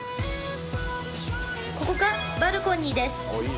ここがバルコニーです